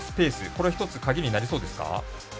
これは一つ鍵になりそうですか？